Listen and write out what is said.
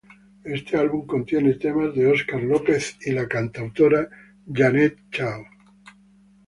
Este álbum contiene temas de Óscar López y la cantautora Jeanette Chao.